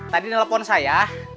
tadi telepon saya